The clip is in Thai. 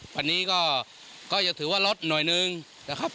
วันนี้ก็จะถือว่าลดหน่อยนึงนะครับ